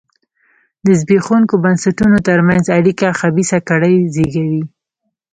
د زبېښونکو بنسټونو ترمنځ اړیکه خبیثه کړۍ زېږوي.